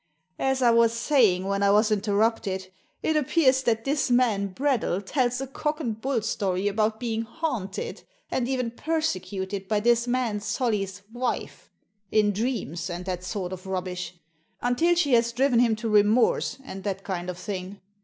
As I was saying when I was interrupted, it appears that this man Bradell tells a cock and bull story about being haunted, and even persecuted by this man Solly's wife, in dreams, and that sort of rubbish, until she Digitized by VjOOQIC 50 THE SEEN AND THE UNSEEN has driven him to remorse, and that kind of thing.